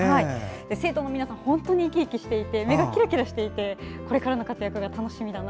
生徒の皆さんは本当に生き生きとしていて目がきらきらしていたのでこれからの活躍が楽しみです。